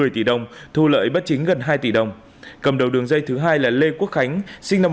một mươi tỷ đồng thu lợi bất chính gần hai tỷ đồng cầm đầu đường dây thứ hai là lê quốc khánh sinh năm một nghìn chín trăm tám